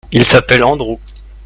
Il s'appelle Andrew.